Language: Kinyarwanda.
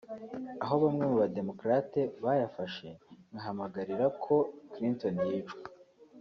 aho bamwe mu ba démocrate bayafashe nk’ahamagarira ko Clinton yicwa